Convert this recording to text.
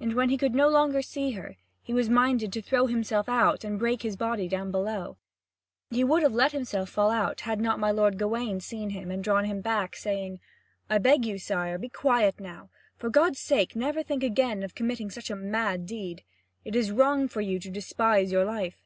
And when he could no longer see her, he was minded to throw himself out and break his body down below. And he would have let himself fall out had not my lord Gawain seen him, and drawn him back, saying: "I beg you, sire, be quiet now. For God's sake, never think again of committing such a mad deed. It is wrong for you to despise your life."